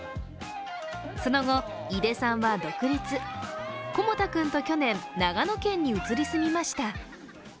その後、井出さんは独立、コモ太君と去年長野県に移り住みました。